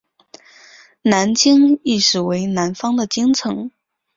南京意思为南方的京城。